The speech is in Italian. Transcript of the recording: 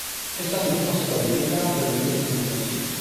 È stato il primo satellite indiano per le telecomunicazioni.